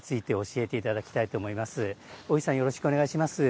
よろしくお願いします。